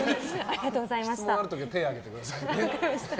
質問のある時は手を上げてくださいね。